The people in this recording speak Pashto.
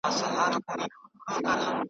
اورېدلي مي دي چي انسان .